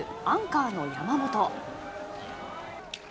アンカーの山本。